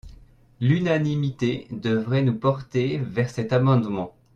L’unanimité devrait nous porter vers cet amendement.